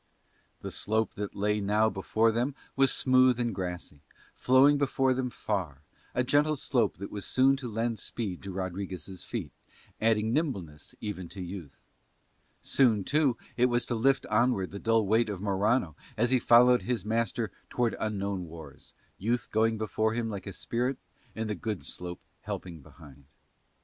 The slope that now lay before them was smooth and grassy, flowing before them far, a gentle slope that was soon to lend speed to Rodriguez' feet, adding nimbleness even to youth. Soon, too, it was to lift onward the dull weight of Morano as he followed his master towards unknown wars, youth going before him like a spirit and the good slope helping behind.